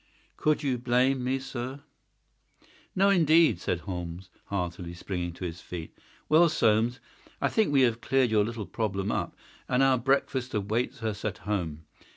Could you blame me, sir?" "No, indeed," said Holmes, heartily, springing to his feet. "Well, Soames, I think we have cleared your little problem up, and our breakfast awaits us at home.